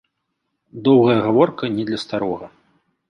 Доўгая гаворка не для старога.